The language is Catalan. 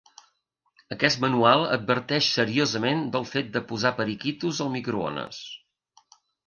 Aquest manual adverteix seriosament del fet de posar periquitos al microones.